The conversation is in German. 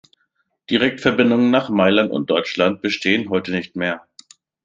Direktverbindungen nach Mailand und Deutschland bestehen heute nicht mehr.